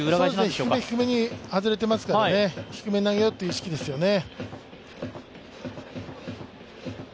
低め低めに外れてますから低めに投げようという意識ですよね。